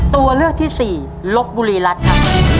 ตัวเลือกที่๔ลกบุรีรัดค่ะ